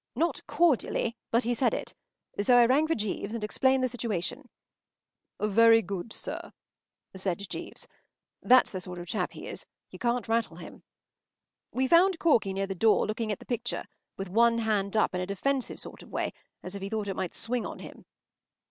Not cordially, but he said it; so I rang for Jeeves, and explained the situation. “Very good, sir,” said Jeeves. That’s the sort of chap he is. You can’t rattle him. We found Corky near the door, looking at the picture, with one hand up in a defensive sort of way, as if he thought it might swing on him.